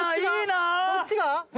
どっちが？